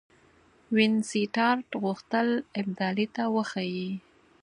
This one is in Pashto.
وینسیټارټ غوښتل ابدالي ته وښيي.